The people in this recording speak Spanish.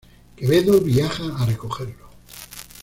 Quevedo viaja a recogerlo.